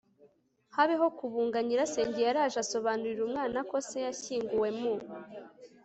habeho kubunga Nyirasenge yaraje asobanurira umwana ko se yashyinguwe mu